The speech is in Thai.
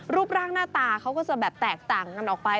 รูปร่างหน้าตาเขาก็จะแบบแตกต่างกันออกไป